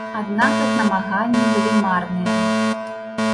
Аднак іх намаганні былі марныя.